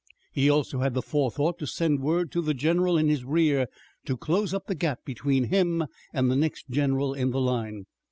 He also had the forethought to send word to the general in his rear to close up the gap between him and the next general in the line.